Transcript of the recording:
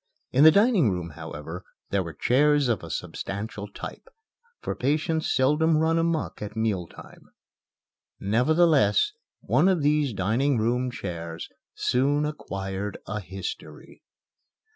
In the dining room, however, there were chairs of a substantial type, for patients seldom run amuck at meal time. Nevertheless, one of these dining room chairs soon acquired a history.